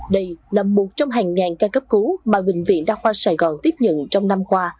đây là một trong hàng ngàn ca cấp cứu mà bệnh viện đa khoa sài gòn tiếp nhận trong năm qua